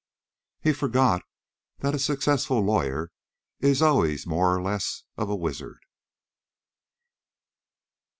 He forgot that a successful lawyer is always more or less of a wizard.